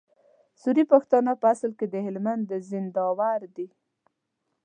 سوري پښتانه په اصل کي د هلمند د زينداور دي